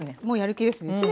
もうやる気ですね。